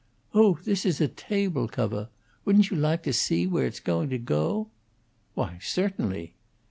"Oh, this is a table covah. Wouldn't you lahke to see where it's to go?" "Why, certainly."